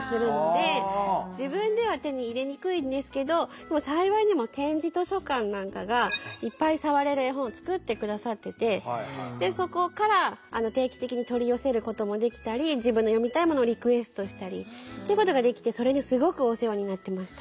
ただやっぱり幸いにも点字図書館なんかがいっぱい触れる絵本を作って下さっててでそこから定期的に取り寄せることもできたり自分の読みたいものをリクエストしたりってことができてそれにすごくお世話になってました。